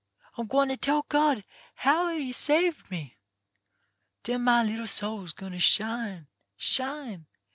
I'm gwine to tell God how a' you sarved me. Den my little soul's gwine to shine, shine.